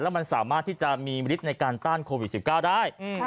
มันสามารถที่จะมีมฤทธิ์ในการต้านโควิด๑๙ได้